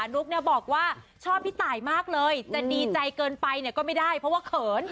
นุ๊กเนี่ยบอกว่าชอบพี่ตายมากเลยจะดีใจเกินไปเนี่ยก็ไม่ได้เพราะว่าเขิน